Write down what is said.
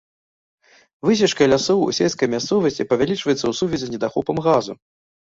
Высечка лясоў у сельскай мясцовасці павялічваецца ў сувязі з недахопам газу.